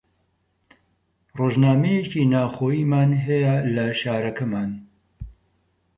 ڕۆژنامەیەکی ناوخۆییمان هەیە لە شارەکەمان